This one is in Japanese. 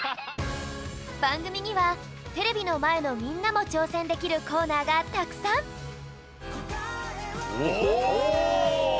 ばんぐみにはテレビのまえのみんなもちょうせんできるコーナーがたくさんおお！